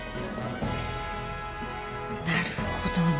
なるほどね。